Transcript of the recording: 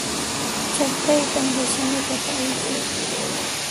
Chakraytan rishani papa aysaq